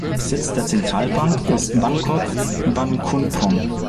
Sitz der Zentralbank ist Bangkok-Bangkhunprom.